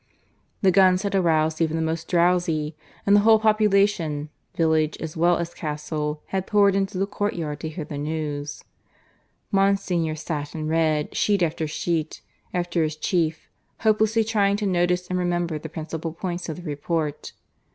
The guns had aroused even the most drowsy; and the whole population, village as well as castle, had poured into the courtyard to hear the news. Monsignor sat and read sheet after sheet after his chief, hopelessly trying to notice and remember the principal points of the report.